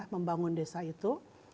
membangun desa itu